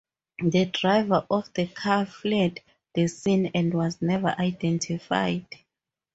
The driver of the car fled the scene and was never identified.